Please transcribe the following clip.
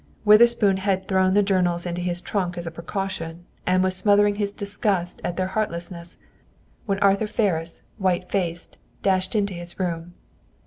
Witherspoon had thrown the journals into his trunk as a precaution, and was smothering his disgust at their heartlessness, when Arthur Ferris, white faced, dashed into his room.